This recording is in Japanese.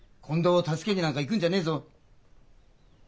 近藤を助けになんか行くんじゃねえぞ。